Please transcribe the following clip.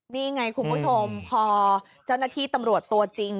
นี่ไงคุณผู้ชมพอเจ้าหน้าที่ตำรวจตัวจริง